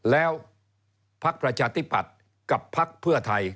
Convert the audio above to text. แล้วพักประชาธิปัตย์กับพักเพื่อไทย